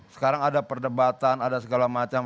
sekarang ada perdebatan ada segala macam